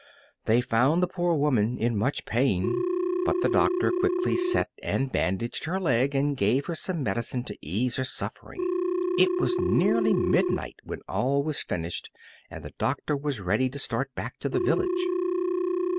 They found the poor woman in much pain, but the doctor quickly set and bandaged her leg, and gave her some medicine to ease her suffering. It was nearly midnight when all was finished and the doctor was ready to start back to the village.